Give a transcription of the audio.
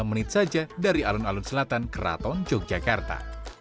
jalan ini mempunyai jalan yang berbeda dari alun alun selatan kraton yogyakarta